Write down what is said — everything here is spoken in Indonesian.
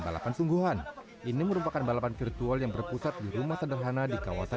balapan sungguhan ini merupakan balapan virtual yang berpusat di rumah sederhana di kawasan